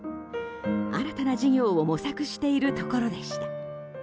新たな事業を模索しているところでした。